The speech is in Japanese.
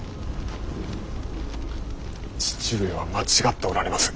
父上は間違っておられます。